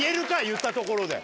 言ったところで。